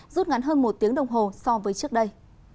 rút ngắn hơn một tiếng đồng hồ so với trước đây